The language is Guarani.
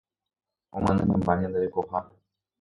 Omyenyhẽmba ñande rekoha